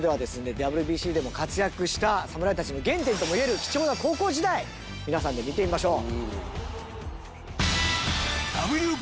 ＷＢＣでも活躍した侍たちの原点ともいえる貴重な高校時代皆さんで見てみましょう。